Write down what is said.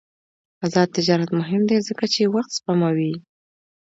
آزاد تجارت مهم دی ځکه چې وخت سپموي.